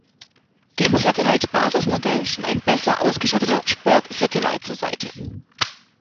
Dem Satellite Basismodell stand ein besser ausgestatteter "Sport Satellite" zur Seite.